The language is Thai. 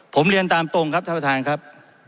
ผมเรียนตามตรงครับท่านประธานครับ